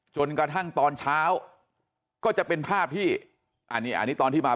จนกระทั่งตอนเช้าก็จะเป็นภาพที่อันนี้อันนี้ตอนที่มา